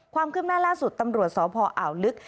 ความคืบหน้าล่าสุดตำรวจสพอ่าวลึก